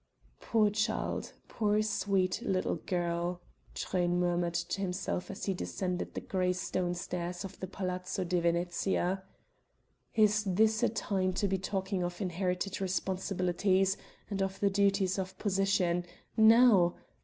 "Poor child, poor sweet little girl!" Truyn murmured to himself as he descended the grey stone stairs of the Palazzo de Venezia. "Is this a time to be talking of inherited responsibilities and the duties of position now!